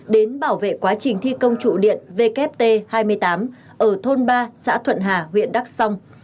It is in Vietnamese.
đến bảo vệ quá trình thi công trụ điện wt hai mươi tám ở thôn ba xã thuận hà huyện đắc song